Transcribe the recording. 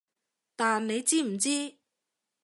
但你知唔知？